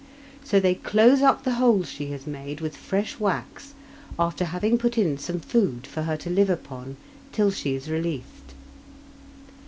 So they close up the hole she has made with fresh wax after having put in some food for her to live upon till she is released.